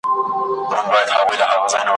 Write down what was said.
برخه نه لري له آب او له ادبه ,